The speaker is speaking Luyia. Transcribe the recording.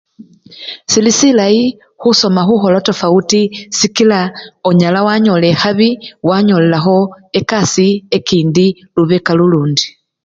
Sili silayi khusoma khukholo tafawuti sikila onyala wanyola ekhabi wanyolelakho ekasii ekindi lubeka lulundi.